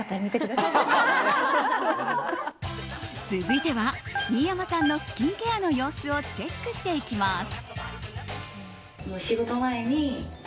続いては、新山さんのスキンケアの様子をチェックしていきます。